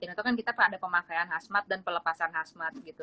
itu kan kita ada pemakaian khasmat dan pelepasan khasmat gitu